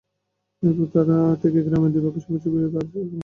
এরপর থেকে গ্রামের দুই পক্ষের মধ্যে বিরোধ আরও চরম আকার ধারণ করে।